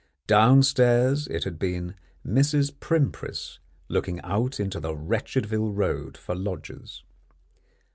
Downstairs it had been Mrs. Primpris looking out into the Wretchedville Road for lodgers.